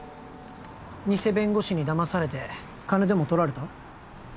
ニセ弁護士にだまされて金でもとられた？